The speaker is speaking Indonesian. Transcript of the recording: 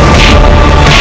aku akan menang